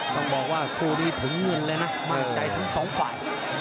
ต้องบอกว่าคู่นี้ถึงเงินเลยนะมั่นใจทั้งสองฝ่าย